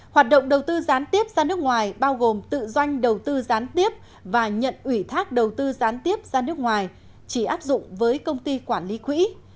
hoạt động đầu tư gián tiếp ra nước ngoài bao gồm tự doanh đầu tư gián tiếp và nhận ủy thác đầu tư gián tiếp ra nước ngoài chỉ áp dụng với công ty quản lý quỹ